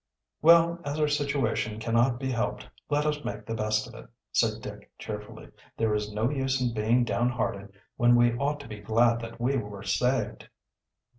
"Well, as our situation cannot be helped, let us make the best of it," said Dick cheerfully. "There is no use in being downhearted when we ought to be glad that we were saved."